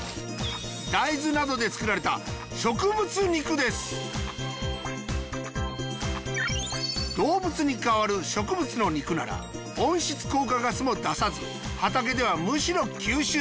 大豆などで作られた動物に代わる植物の肉なら温室効果ガスも出さず畑ではむしろ吸収。